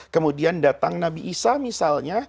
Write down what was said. kemudian datang nabi isa misalnya